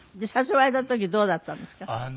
誘われた時どうだったんですか？